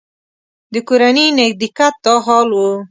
د کورني نږدېکت دا حال و.